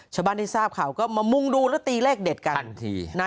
ชะบันที่ทราบข่าวก็มามุงดูแล้วตีเล่กเด็ดกัน